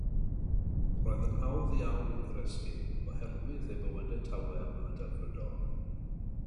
Roedd yn hawdd iawn eu goresgyn oherwydd eu bywydau tawel a delfrydol.